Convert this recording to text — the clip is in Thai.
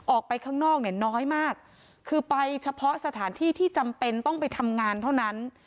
ออกไปข้างนอกเนี่ยน้อยมากคือไปเฉพาะสถานที่ที่จำเป็นต้องไปทำงานเท่านั้น